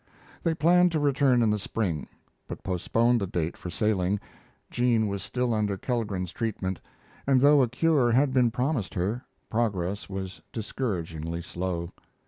They planned to return in the spring, but postponed the date for sailing. Jean was still under Kellgren's treatment, and, though a cure had been promised her, progress was discouragingly slow.